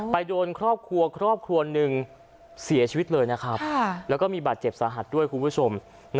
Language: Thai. โดนครอบครัวครอบครัวหนึ่งเสียชีวิตเลยนะครับแล้วก็มีบาดเจ็บสาหัสด้วยคุณผู้ชม